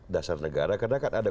dasar negara karena kan ada